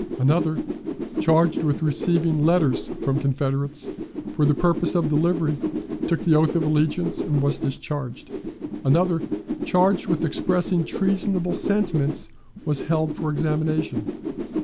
Another, charged with receiving letters from Confederates for the purpose of delivery, took the oath of allegiance, and was discharged. Another, charged with expressing treasonable sentiments, was held for examination.